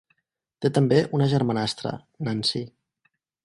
Té també una germanastra, Nancy.